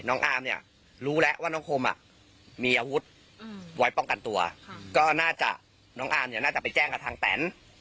อามเนี่ยรู้แล้วว่าน้องคมมีอาวุธไว้ป้องกันตัวก็น่าจะน้องอาร์มเนี่ยน่าจะไปแจ้งกับทางแตน